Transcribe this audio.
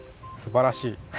すばらしい。